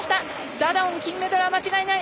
ダダオン金メダルは間違いない。